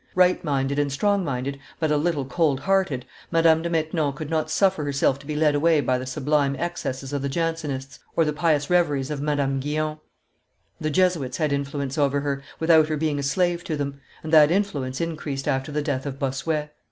Right minded and strong minded, but a little cold hearted, Madame de Maintenon could not suffer herself to be led away by the sublime excesses of the Jansenists or the pious reveries of Madame Guyon; the Jesuits had influence over her, without her being a slave to them; and that influence increased after the death of Bossuet.